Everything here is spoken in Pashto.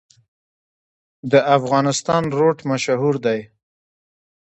د افغانستان روټ مشهور دی